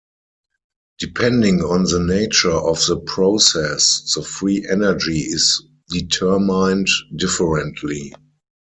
Depending on the nature of the process, the free energy is determined differently.